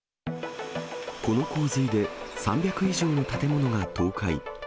この洪水で３００以上の建物が倒壊。